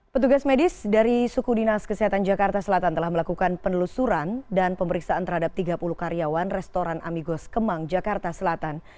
petugas medis dari suku dinas kesehatan jakarta selatan telah melakukan penelusuran dan pemeriksaan terhadap tiga puluh karyawan restoran amigos kemang jakarta selatan